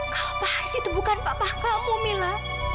kalau pak haris itu bukan papa kamu mila